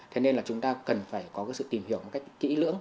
thế nên là chúng ta cần phải có cái sự tìm hiểu một cách kỹ lưỡng